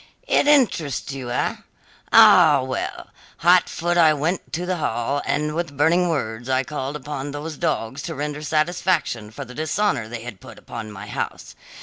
"It interests you, eh? Ah, well hot foot I went to the hall, and with burning words I called upon those dogs to render satisfaction for the dishonour they had put upon my house.